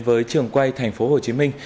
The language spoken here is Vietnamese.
với trường quay thành phố hồ chí minh